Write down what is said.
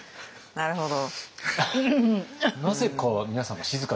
なるほど。